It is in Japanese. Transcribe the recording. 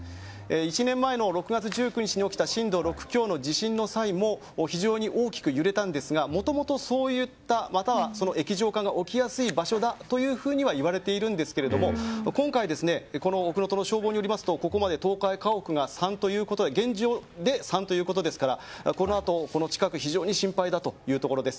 １年前の６月１９日の震度の６強の地震の時も非常に大きく揺れたんですがもともと、そういったまたは液状化が起きやすい場所だということはいわれているんですけれども今回、消防によりますとここまで倒壊家屋が現状で３ということですからこのあと、この近くは非常に心配というところです。